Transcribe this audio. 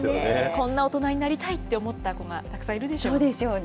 こんな大人になりたいって思った子がたくさんいるんでしょうそうでしょうね。